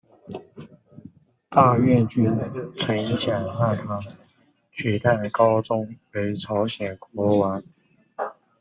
大院君曾想让他取代高宗为朝鲜国王。